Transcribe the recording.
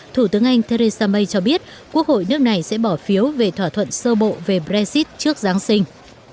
thủ tướng anh theresa may cho biết quốc hội nước này sẽ bỏ phiếu về thỏa thuận sơ bộ về brexit trước giáng sinh